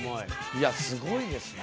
いやすごいですね。